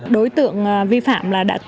đối tượng vi phạm đã từng có tiền án thiền sự